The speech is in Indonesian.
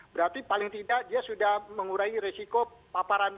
berarti paling tidak dia sudah mengurai resiko paparan